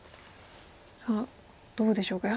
さあどうでしょうか。